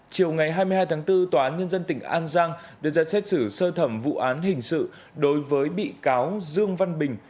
chiều ngày hai mươi hai tháng bốn tòa án nhân dân tỉnh an giang đưa ra xét xử sơ thẩm vụ án hình sự đối với bị cáo dương văn bình